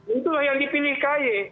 itulah yang dipilih ky